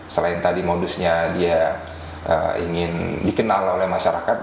selain tadi modusnya dia ingin dikenal oleh masyarakat